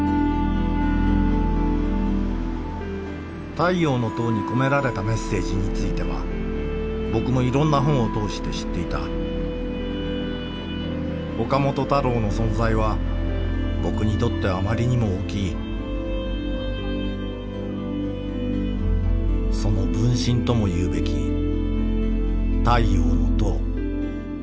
太陽の塔に込められたメッセージについては僕もいろんな本を通して知っていた岡本太郎の存在は僕にとってあまりにも大きいその分身ともいうべき太陽の塔。